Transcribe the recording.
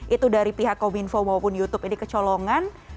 itu dari pihak kominfo maupun youtube ini kecolongan